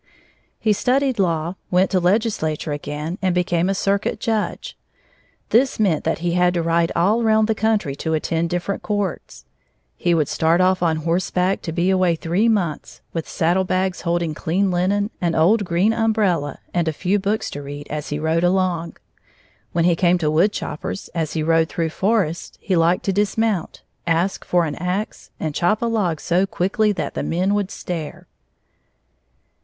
He studied law, went to legislature again, and became a circuit judge. This meant that he had to ride all round the country to attend different courts. He would start off on horseback to be away three months, with saddle bags holding clean linen, an old green umbrella, and a few books to read as he rode along. When he came to woodchoppers, as he rode through forests, he liked to dismount, ask for an axe, and chop a log so quickly that the men would stare.